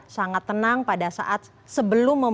apakah ketenangan ini adalah yang sudah siap